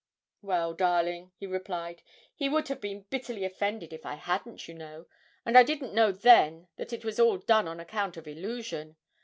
'Well, darling,' he replied, 'he would have been bitterly offended if I hadn't, you know, and I didn't know then that it was all done on account of "Illusion."